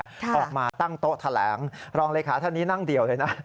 ออกมาตั้งโต๊ะแถลงรองเลขาท่านนี้นั่งเดี่ยวเลยนะ